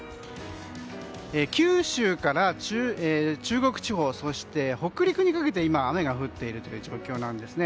九州から中国地方そして北陸にかけて今、雨が降っている状況なんです。